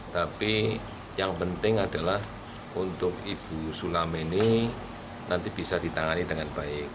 tapi yang penting adalah untuk ibu sulami ini nanti bisa ditangani dengan baik